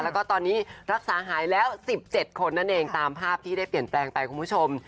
แล้วก็ตอนนี้รักษาหายแล้ว๑๗คนนั่นเองตามภาพที่ได้เปลี่ยนแปลงไปคุณผู้ชม